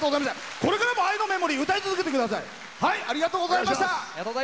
これからも「愛のメモリー」を歌い続けてください！